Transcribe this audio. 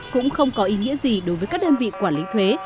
cũng không có ý nghĩa gì đối với các đơn vị quản lý thuế